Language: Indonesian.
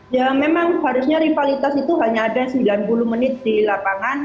ya memang harusnya rivalitas itu hanya ada sembilan puluh menit di lapangan